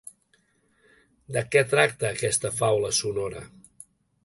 De què tracta aquesta faula sonora?